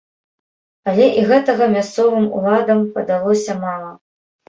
Але і гэтага мясцовым уладам падалося мала.